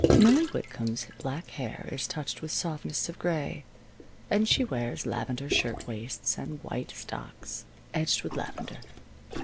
Millie Whitcomb's black hair is touched with soft mists of gray, and she wears lavender shirtwaists and white stocks edged with lavender.